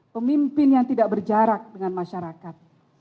pemimpin yang tidak berjarak dengan masyarakat